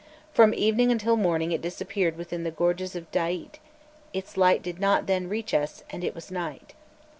Erom evening until morning it disappeared within the gorges of Daït; its light did not then reach us, and it was night.